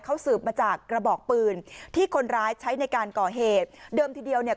เขาสืบมาจากกระบอกปืนที่คนร้ายใช้ในการก่อเหตุเดิมทีเดียวเนี่ย